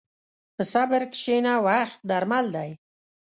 په صبر کښېنه، وخت درمل دی.